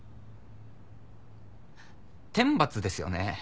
天罰ですよね